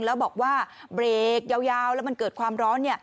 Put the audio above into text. แล้วบอกว่าเบรกยาวแล้วมันเกิดความร้อน